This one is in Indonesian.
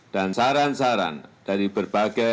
dan saran saran dari berbagai elemen